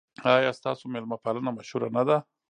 ایا ستاسو میلمه پالنه مشهوره نه ده؟